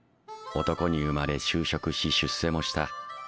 男に生まれ就職し出世もした。